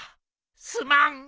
すまん！